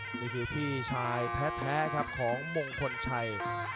นี่คือพี่ชายแท้ครับของมงคลชัย